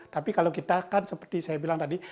tapi kalau kita kan seperti saya bilang tadi